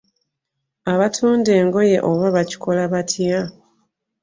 Abatunda engoye oba bakikola batya.